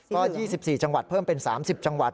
ก็๒๔จังหวัดเพิ่มเป็น๓๐จังหวัด